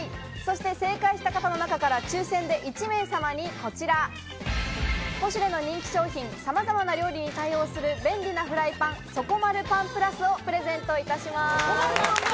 正解した方の中から抽選で１名様にこちら、ポシュレの人気商品、さまざまな料理に対応する便利なフライパン「底丸パンＰｌｕｓ」をプレゼントいたします。